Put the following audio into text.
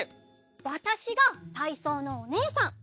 わたしがたいそうのおねえさん。